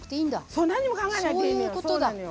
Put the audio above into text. そう何にも考えないでいいのよ。